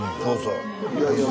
そうそう。